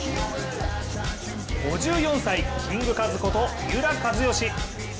５４歳、キングカズこと三浦知良。